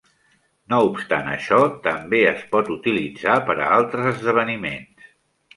No obstant això, també es pot utilitzar per a altres esdeveniments.